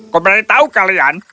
kau beritahu kalian